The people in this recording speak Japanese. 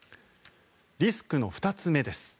リスクの２つ目です。